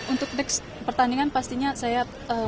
untuk next pertandingan pastinya saya